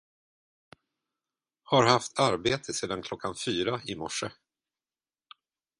har haft arbete sedan klockan fyra i morse.